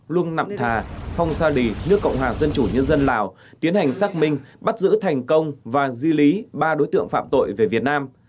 luông nạp thà phong sa lì nước cộng hòa dân chủ nhân dân lào tiến hành xác minh bắt giữ thành công và di lý ba đối tượng phạm tội về việt nam